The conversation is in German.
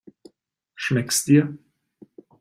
Schmeckt's dir?